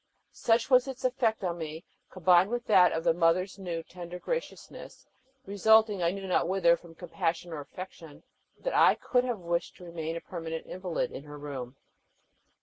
Such was its effect on me, combined with that of the mother's new tender graciousness, resulting I knew not whether from compassion or affection, that I could have wished to remain a permanent invalid in her room.